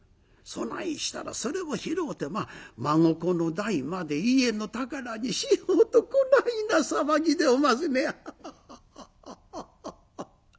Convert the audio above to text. そないしたらそれを拾うて孫子の代まで家の宝にしようとこないな騒ぎでおますねやハハハハハハッ！」。